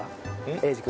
英二君